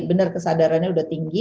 benar kesadarannya udah tinggi